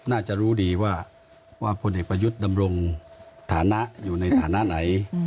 น่าจะรู้ดีว่าพลเอกประยุทธ์ดำรงฐานะอยู่ในฐานะไหน